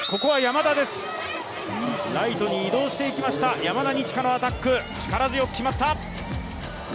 ライトに移動していきました、山田二千華のアタック、力強く決まった！